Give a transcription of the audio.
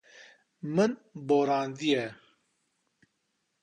Min borandiye.